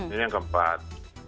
ini yang keempat